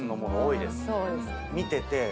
見てて。